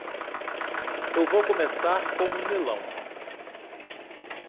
Eu vou começar com um melão.